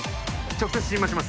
直接心マします